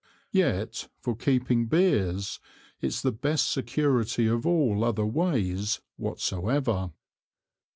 Yet, for keeping Beers, it's the best Security of all other ways whatsoever.